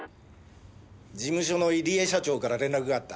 事務所の入江社長から連絡があった。